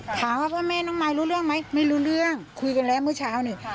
พ่อแม่น้องมายรู้เรื่องไหมไม่รู้เรื่องคุยกันแล้วเมื่อเช้านี่